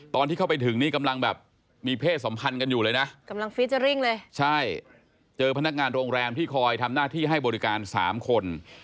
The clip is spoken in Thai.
ตอนที่เข้าไปถึงนี่กำลังแบบมีเพศสัมพันธ์กันอยู่เลยนะกำลังฟีเจอร์ริ่งเลยใช่เจอพนักงานโรงแรมที่คอยทำหน้าที่ให้บริการสามคน